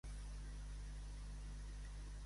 Els records es transmeten fe generació en generació.